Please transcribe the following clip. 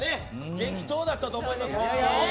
激闘だったと思います。